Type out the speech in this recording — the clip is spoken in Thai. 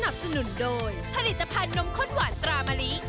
สนุนโดยผลิตภัณฑ์นมข้นหวานตรามะลิ